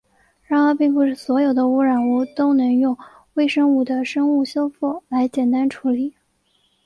然而并不是所有的污染物都能用微生物的生物修复来简单处理。